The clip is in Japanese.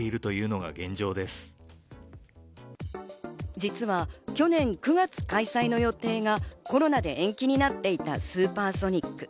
実は去年９月開催の予定がコロナで延期になっていたスーパーソニック。